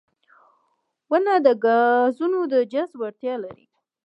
• ونه د ګازونو د جذب وړتیا لري.